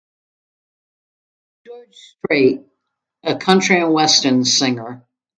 George Strait: a country western singer.